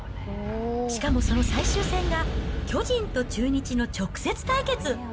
しかもその最終戦が巨人と中日の直接対決。